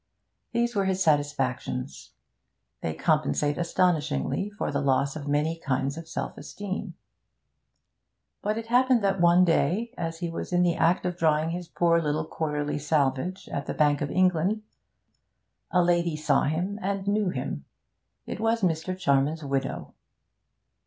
These were his satisfactions. They compensate astonishingly for the loss of many kinds of self esteem. But it happened one day that, as he was in the act of drawing his poor little quarterly salvage at the Bank of England, a lady saw him and knew him. It was Mr. Charman's widow.